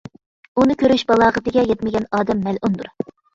ئۇنى كۆرۈش بالاغىتىگە يەتمىگەن ئادەم مەلئۇندۇر.